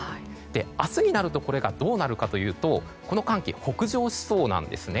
明日になるとどうなるかというとこの寒気は北上しそうなんですね。